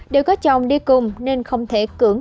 đều có chồng đi cùng nên không thể cưỡng